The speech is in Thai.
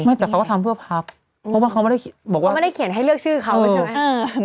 ไม่แต่เขาก็ทำเพื่อพักษ์เพราะว่าเขาไม่ได้เขียนให้เลือกชื่อเขาไปใช่ไหม